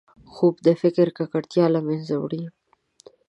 خوب د فکر ککړتیا له منځه وړي